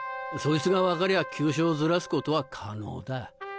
そいつが分かりゃ急所をずらすことは可能だ。